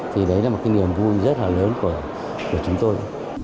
thì đấy là một cái niềm vui rất là lớn của chúng tôi